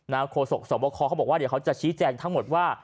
โฆษกสวบคอเขาบอกว่าเดี๋ยวเขาจะชี้แจงทั้งหมดว่า